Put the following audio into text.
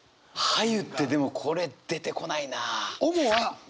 「映」ってでもこれ出てこないな。